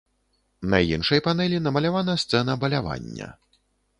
На іншай панэлі намалявана сцэна балявання.